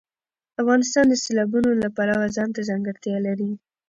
افغانستان د سیلابونه د پلوه ځانته ځانګړتیا لري.